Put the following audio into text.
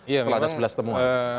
setelah ada sebelas temuan